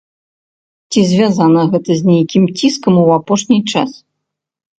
Ці звязана гэта з нейкім ціскам у апошні час?